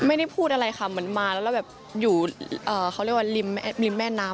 ไม่ได้พูดอะไรค่ะเหมือนมาแล้วแล้วแบบอยู่เขาเรียกว่าริมแม่น้ำ